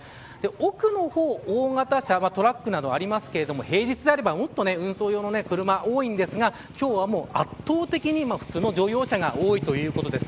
多くの方、大型車トラックなどがありますが平日ならもっと運送用の車が多いんですが今日は圧倒的に普通の乗用車が多いということです。